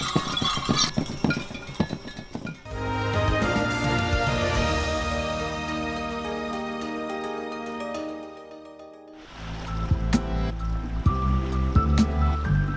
kami sudah berkembang dengan keamanan dan keamanan di kota ini